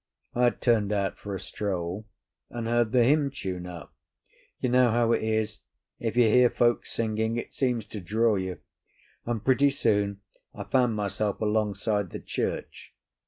I had turned out for a stroll, and heard the hymn tune up. You know how it is. If you hear folk singing, it seems to draw you; and pretty soon I found myself alongside the church.